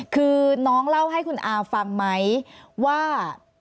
คือน้องเล่าให้คุณอาฟังไหมว่า